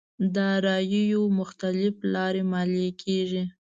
داراییو مختلف لارو ماليې کېږي.